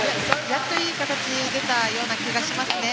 やっといい形が出たような気がしますね。